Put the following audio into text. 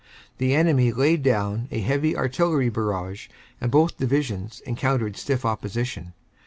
The enemy laid down a heavy Artillery barrage and both Divisions encountered stiff opposition.